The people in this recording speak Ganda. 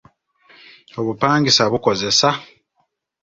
Obupangisa bukozesa.